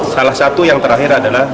salah satu yang terakhir adalah